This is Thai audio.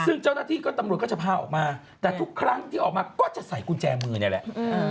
ซึ่งเจ้าหน้าที่ก็ตำรวจก็จะพาออกมาแต่ทุกครั้งที่ออกมาก็จะใส่กุญแจมือเนี่ยแหละ